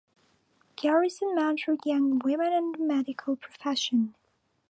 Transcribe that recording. Garrison mentored young women in the medical profession.